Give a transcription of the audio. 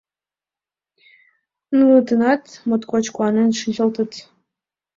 Нылытынат моткоч куанен шинчылтыч.